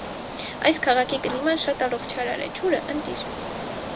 Այս քաղաքի կլիման շատ առողջարար է, ջուրը՝ ընտիր։